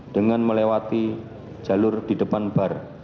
dengan melewati jalur di depan bar